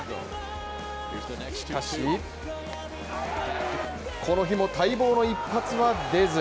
しかし、この日も待望の一発は出ず。